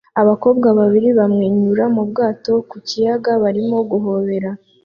Abakobwa babiri bamwenyura mu bwato ku kiyaga barimo guhobera